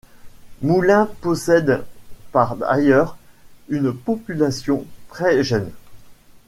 Moulins possède par ailleurs une population très jeune.